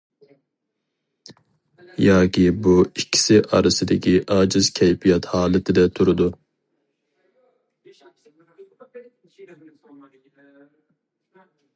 ياكى بۇ ئىككىسى ئارىسىدىكى ئاجىز كەيپىيات ھالىتىدە تۇرىدۇ.